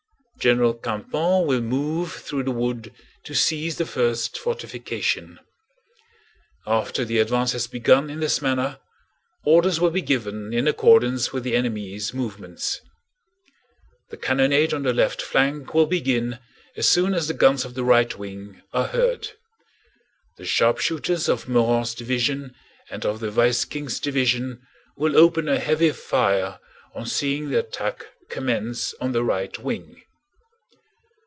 General Campan will move through the wood to seize the first fortification. After the advance has begun in this manner, orders will be given in accordance with the enemy's movements. The cannonade on the left flank will begin as soon as the guns of the right wing are heard. The sharpshooters of Morand's division and of the vice King's division will open a heavy fire on seeing the attack commence on the right wing.